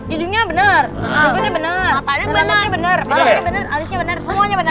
idunya bener jemputnya bener matanya bener alisnya bener semuanya bener